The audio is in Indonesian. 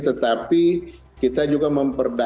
tetapi kita juga memperhatikan